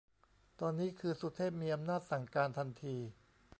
ตอนนี้คือ สุเทพ มีอำนาจสั่งการทันที